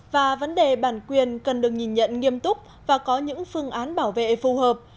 và vấn đề bản quyền cần được nhìn nhận nghiêm túc và có những phương án bảo vệ phù hợp